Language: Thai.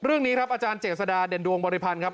เรื่องนี้ครับอาจารย์เจษฎาเด่นดวงบริพันธ์ครับ